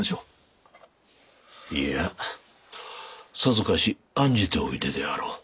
いやさぞかし案じておいでであろう。